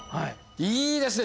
いいですね。